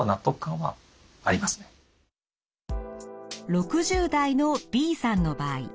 ６０代のＢさんの場合。